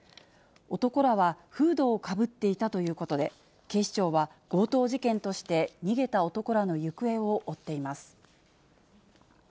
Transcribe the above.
男らは、フードをかぶっていたということで、警視庁は強盗事件として、逃げた男らの行方を追っています。